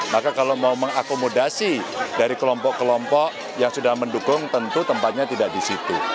maka kalau mau mengakomodasi dari kelompok kelompok yang sudah mendukung tentu tempatnya tidak di situ